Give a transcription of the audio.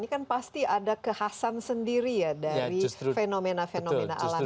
ini kan pasti ada kekhasan sendiri ya dari fenomena fenomena alam ini